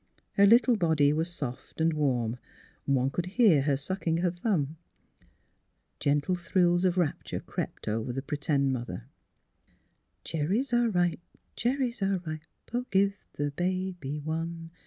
Her lit tle body was soft and warm; one could hear her sucking her thumb. Gentle thrills of rapture crept over the p'tend mother. '' Cherries are ripe ; cherries are ripe ; oh, give the baby one!